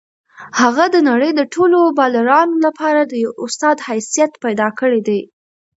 هغه د نړۍ د ټولو بالرانو لپاره د یو استاد حیثیت پیدا کړی دی.